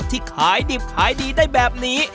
ที่ขายดิบขายดีได้แบบนี้